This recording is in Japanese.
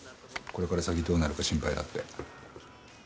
これから先どうなるか心配だって。